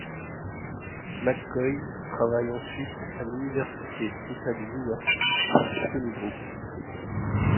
McCoy travaille ensuite à l'université d'État de New York à Stony Brook.